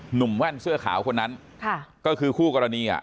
หนุ่มแว่นเสื้อขาวคนนั้นค่ะก็คือคู่กรณีอ่ะ